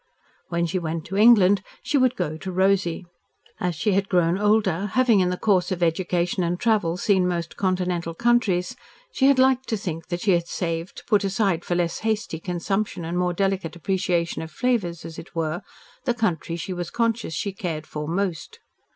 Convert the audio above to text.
When she went to England, she would go to Rosy. As she had grown older, having in the course of education and travel seen most Continental countries, she had liked to think that she had saved, put aside for less hasty consumption and more delicate appreciation of flavours, as it were, the country she was conscious she cared for most.